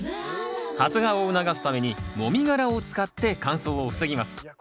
発芽を促すためにもみ殻を使って乾燥を防ぎます。